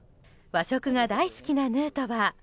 和食が大好きなヌートバー。